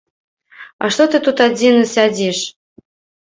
А што ты тут адзін сядзіш?